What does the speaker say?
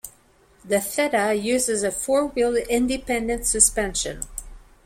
The Theta uses a four-wheel independent suspension.